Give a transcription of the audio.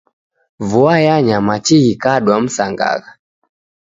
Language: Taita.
Vua yanya machi ghikadwa msangagha